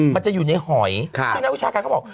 มันจะอยู่ในหอยซึ่งนักวิชาการเขาบอก